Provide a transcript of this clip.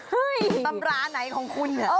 เฮ่ยตำราไหนของคุณ